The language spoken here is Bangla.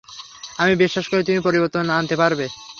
আমার বিশ্বাস তুমি পরিবর্তন আনতে পারবে।